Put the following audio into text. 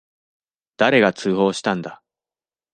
誰が通報したんだ。